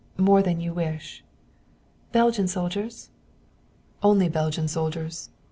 More than you wish." "Belgian soldiers?" "Only Belgian soldiers.